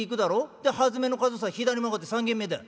で初めの角さ左曲がって３軒目だよ」。